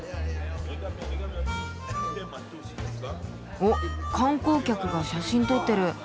おっ観光客が写真撮ってる。